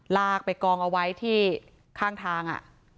ลากไปกองเอาไว้ที่ข้างทาง